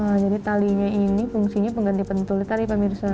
nah jadi talinya ini fungsinya pengganti pentul tadi pemirsa